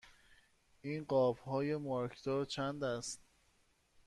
این قاب های مارکدار چند است؟